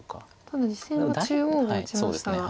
ただ実戦は中央を打ちましたが。